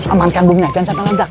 amankan bumi jangan sampai ledak